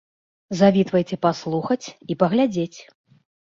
Завітвайце паслухаць і паглядзець!